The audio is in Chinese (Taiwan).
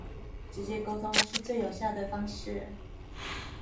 直接溝通是最有效的方式